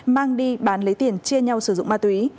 mang đi bán lấy tiền chia nhau sử dụng ma túy